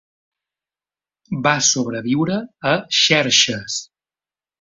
Va sobreviure a Xerxes.